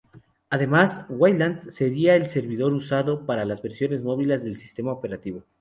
Además, Wayland sería el servidor usado para las versiones móviles del sistema operativo.